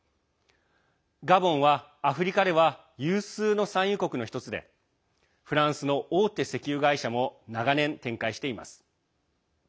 ガボンはアフリカでは有数の産油国の１つでフランスの大手石油会社も長年、展開しています。